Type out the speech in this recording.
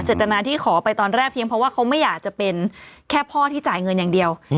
จตนาที่ขอไปตอนแรกเพียงเพราะว่าเขาไม่อยากจะเป็นแค่พ่อที่จ่ายเงินอย่างเดียว